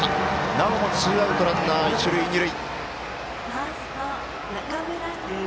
なおもツーアウトランナー、一塁二塁。